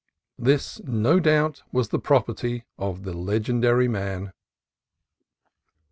This no doubt was the property of the legendary man.